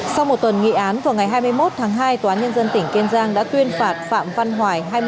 sau một tuần nghị án vào ngày hai mươi một tháng hai tòa án nhân dân tỉnh kiên giang đã tuyên phạt phạm văn hoài